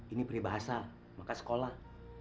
ini pribahasa maka sekolah